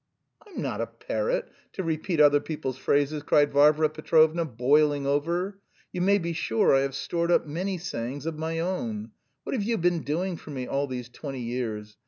"I'm not a parrot, to repeat other people's phrases!" cried Varvara Petrovna, boiling over. "You may be sure I have stored up many sayings of my own. What have you been doing for me all these twenty years?